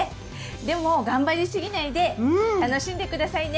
でも頑張りすぎないで楽しんで下さいね！